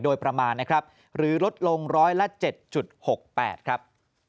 โดยประมาณนะครับหรือลดลงร้อยละ๗๖๘ครับ